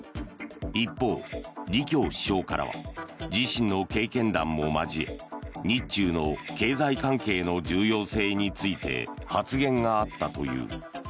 一方、李強首相からは自身の経験談も交え日中の経済関係の重要性について発言があったという。